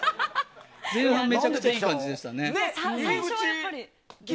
前半めちゃくちゃいい感じでしたね。